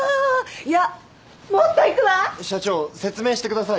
いやもっといくわ！社長説明してください